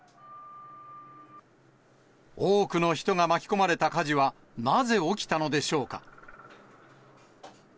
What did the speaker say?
多くの人が巻き込まれた火事は、なぜ起きたのでしょうか。